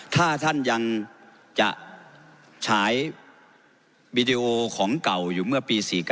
ถ้าท่านยังจะฉายวีดีโอของเก่าอยู่เมื่อปี๔๙